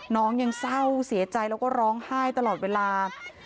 ยังเศร้าเสียใจแล้วก็ร้องไห้ตลอดเวลา